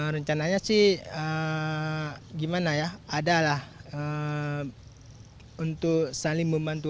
rencananya sih gimana ya adalah untuk saling membantu